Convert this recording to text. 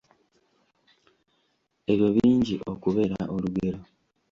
Ebyo bingi okubeera olugero.